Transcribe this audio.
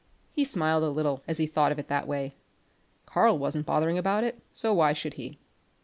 He smiled a little as he thought of it that way. Karl wasn't bothering about it; so why should he?